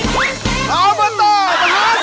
อบตประหลาดสมอง